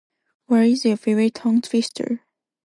What is your favourite tongue-twister?